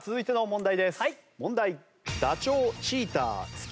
問題。